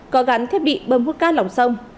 có gắn thiết bị bơm hút cát lòng sông